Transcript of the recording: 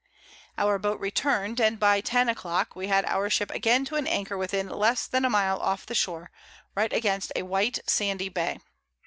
Our Boat return'd, and by 10 a Clock we had our Ship again to an Anchor within less than a Mile off the Shore, right against a white sandy Bay.